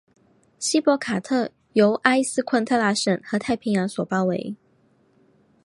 锡帕卡特由埃斯昆特拉省和太平洋所包围。